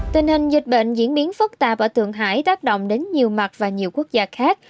tình hình dịch bệnh diễn biến phức tạp và tượng hải tác động đến nhiều mặt và nhiều quốc gia khác